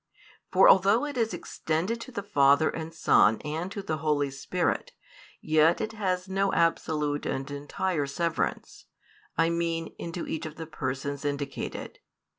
For although it is extended to Father and Son and to the Holy Spirit, yet it has no absolute and entire severance; I mean, into each of the Persons indicated.